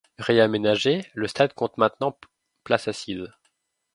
Réaménagé, le stade compte maintenant places assises.